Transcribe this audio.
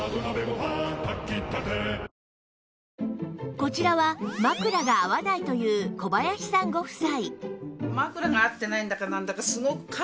こちらは枕が合わないという小林さんご夫妻